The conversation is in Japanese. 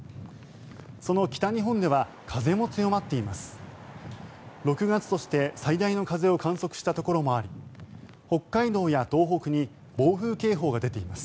その北日本では風も強まっています。